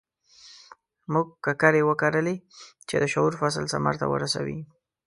موږ ککرې وکرلې چې د شعور فصل ثمر ته ورسوي.